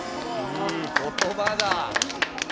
いい言葉だ。